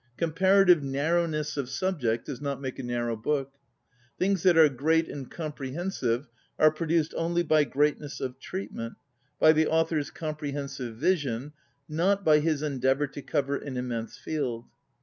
Comparative nar rowness of subject does not make a narrow book. Things that are great and comprehensive are produced only by greatness of treatment, by the author's comprehensive vision, not by his endeavor to cover an immense field.